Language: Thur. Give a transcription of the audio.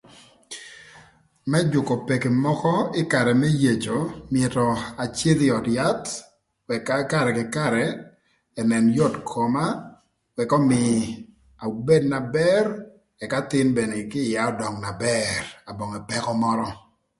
Më jükö peki mökö ï karë më yeco mïtö acïdh ï öd yath ëk karë kï karë ënën yot koma ëk ömïï abed na bër ëk athïn bënë kï ïya ödöng na bër abonge pëkö mörö